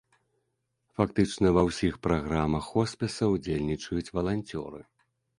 Фактычна ва ўсіх праграмах хоспіса ўдзельнічаюць валанцёры.